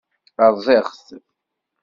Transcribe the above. Rẓiɣ-t.